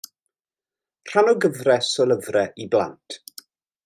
Rhan o gyfres o lyfrau i blant.